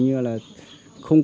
nhưng mà không có